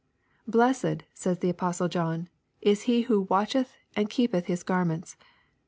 " Blessed," says the apostle John, "is he who watcheth and keepeth his garments."